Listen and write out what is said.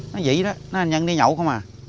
nói vậy đó nói anh nhân đi nhậu không à